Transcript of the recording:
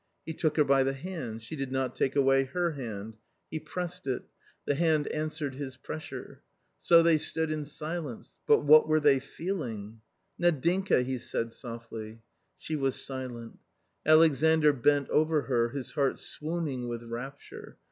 He took her by the hand — she did not take away her hand ; he pressed it ; the hand answered his pressure. So they stood in silence ; but what were they feeling !" Nadinka !" he said softly. She was silent. Alexandr bent over her, his heart swooning with rapture.